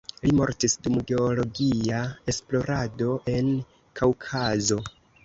Li mortis dum geologia esplorado en Kaŭkazo.